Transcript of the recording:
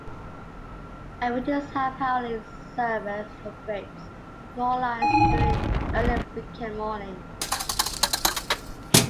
A reduced half-hourly service operates on all lines during early weekend mornings.